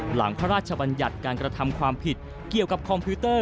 พระราชบัญญัติการกระทำความผิดเกี่ยวกับคอมพิวเตอร์